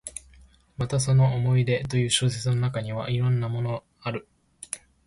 またその「思い出」という小説の中には、こんなのもある。